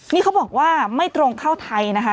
นี่เขาบอกว่าไม่ตรงเข้าไทยนะคะ